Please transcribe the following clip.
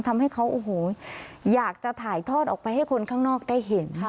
ทำให้เขาโอ้โหอยากจะถ่ายทอดออกไปให้คนข้างนอกได้เห็น